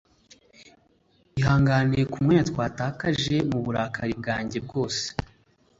ihangane kumwanya twatakaje muburakari bwanjye bwose